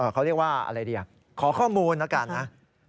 เขาเรียกว่าอะไรดีขอข้อมูลนะครับ